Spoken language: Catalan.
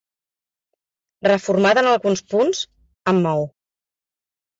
Reformada en alguns punts, amb maó.